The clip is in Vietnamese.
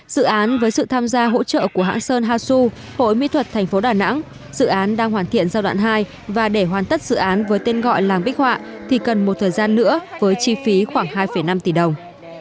dự án với sự tham gia hỗ trợ của hãng sơn hasu hội mỹ thuật tp đà nẵng dự án đang hoàn thiện giai đoạn hai và để hoàn tất dự án với tên gọi làng bích họa thì cần một thời gian nữa với chi phí khoảng hai năm tỷ đồng